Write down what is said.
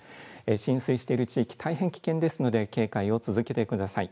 浸水している地域、大変危険ですので、警戒を続けてください。